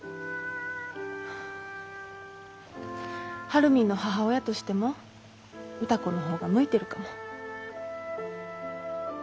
晴海の母親としても歌子の方が向いてるかも。